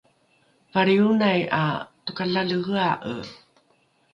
valrionai ’a tokalalehea’e